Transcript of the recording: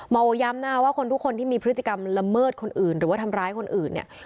โมย้ำนะคะว่าคนทุกคนที่มีพฤติกรรมละเมิดคนอื่นหรือว่าทำร้ายคนอื่นเนี่ย